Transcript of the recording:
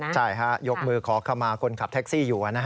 ใช่ยกมือขอขมาคนขับแท็กซี่อยู่